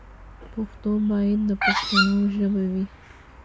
پښتو باید د پښتنو ژبه وي.